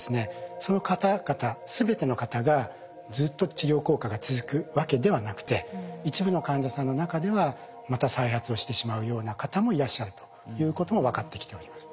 その方々全ての方がずっと治療効果が続くわけではなくて一部の患者さんの中ではまた再発をしてしまうような方もいらっしゃるということも分かってきております。